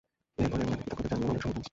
এরপরে উনাকে কৃতজ্ঞতা জানানোর অনেক সময় পাবে।